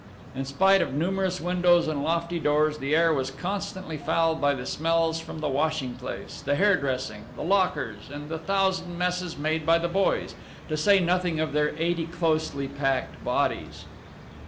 In spite of numerous windows and lofty doors, the air was constantly fouled by the smells from the washing place, the hairdressing, the lockers, and the thousand messes made by the boys, to say nothing of their eighty closely packed bodies.